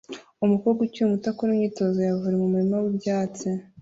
Umukobwa ukiri muto akora imyitozo ya volley mu murima wibyatsi